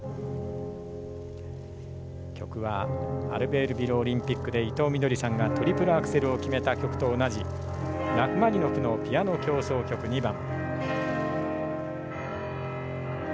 曲はアルベールビルオリンピックで伊藤みどりさんがトリプルアクセルを決めた曲と同じラフマニノフの「ピアノ協奏曲２番」。